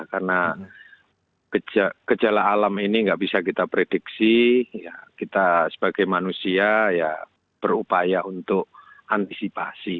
karena gejala alam ini tidak bisa kita prediksi kita sebagai manusia ya berupaya untuk antisipasi